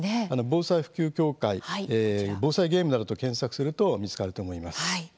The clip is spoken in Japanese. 「防災教育普及協会」「防災ゲーム」などと検索すると見つかると思います。